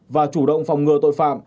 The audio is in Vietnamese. và chủ động phong ngừa tội phạm